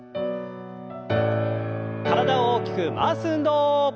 体を大きく回す運動。